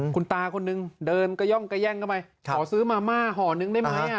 คุณตาคนนึงเดินกระย่องกระแย่งเข้าไปขอซื้อมาม่าห่อนึงได้ไหม